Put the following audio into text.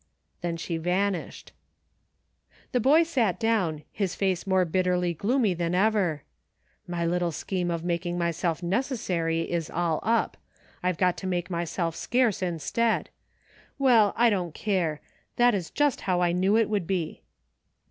Then she vanished. The boy sat down, his face more bitterly gloomy than ever. " My little scheme of making myself necessary is all up. I've got to make myself scarce, instead. Well, I don't care ; that is just how I knew it would be."